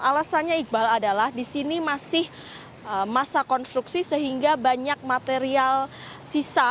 alasannya iqbal adalah di sini masih masa konstruksi sehingga banyak material sisa